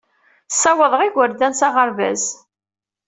Ssawaḍeɣ igerdan s aɣerbaz.